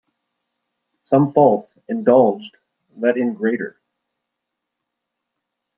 Small faults indulged let in greater.